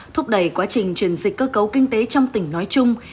thúc đẩy quá trình chuyển dịch cơ cấu kinh tế trong tỉnh nói chung